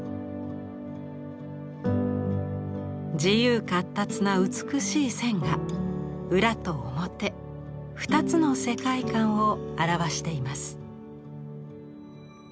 自由闊達な美しい線が裏と表２つの世界観を表しています。